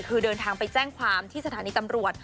คือเดินทางไปแจ้งความที่สถานีตำรวจ